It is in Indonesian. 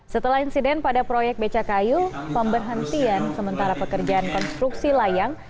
setelah insiden pada proyek becakayu pemberhentian sementara pekerjaan konstruksi layang